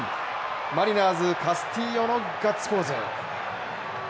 マリナーズ、カスティーヨのガッツポーズ。